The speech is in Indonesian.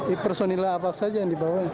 di personil apa saja yang dibawa